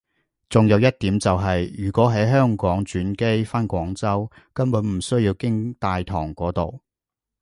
仲有一點就係如果喺香港轉機返廣州根本唔需要經大堂嗰度